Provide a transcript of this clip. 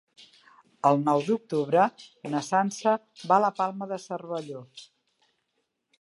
El nou d'octubre na Sança va a la Palma de Cervelló.